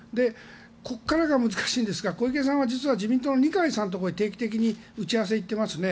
ここからが難しいんですが小池さんは自民党の二階さんのところに定期的に打ち合わせに行っていますね。